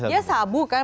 dia sabu kan